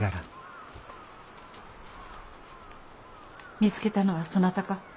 見つけたのはそなたか。